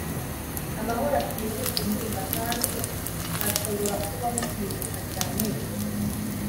amahoro asimbuze intimba kandi hashobora kubaho kwibuka cyane